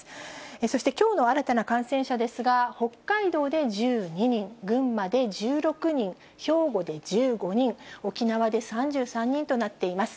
そしてきょうの新たな感染者ですが、北海道で１２人、群馬で１６人、兵庫で１５人、沖縄で３３人となっています。